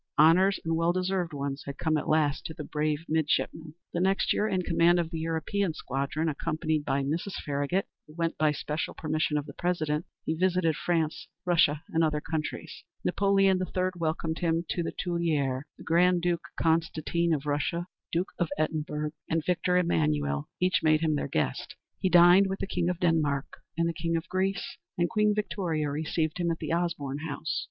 Honors, and well deserved ones, had come at last to the brave midshipman. The next year, in command of the European squadron, accompanied by Mrs. Farragut, who went by special permission of the President, he visited France, Russia, and other countries. Napoleon III. welcomed him to the Tuileries; the Grand Duke Constantine of Russia, Duke of Edinburgh, and Victor Emmanuel each made him their guest; he dined with the King of Denmark and the King of Greece, and Queen Victoria received him at the Osborne House.